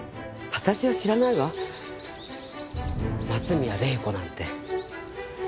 私は知らないわ松宮玲子なんて。